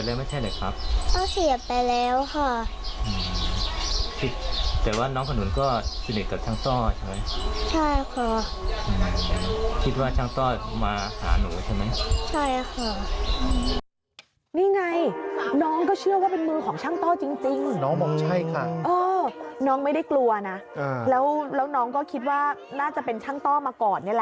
น้องไม่ได้กลัวนะแล้วน้องก็คิดว่าน่าจะเป็นช่างต้อมาก่อนนี่แหละ